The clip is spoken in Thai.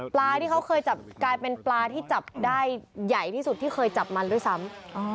ที่เขาเคยจับกลายเป็นปลาที่จับได้ใหญ่ที่สุดที่เคยจับมันด้วยซ้ำ